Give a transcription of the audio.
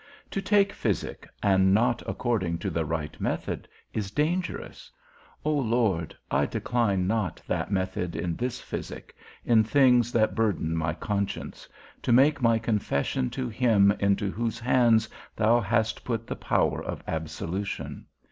To take physic, and not according to the right method, is dangerous. O Lord, I decline not that method in this physic, in things that burthen my conscience, to make my confession to him, into whose hands thou hast put the power of absolution.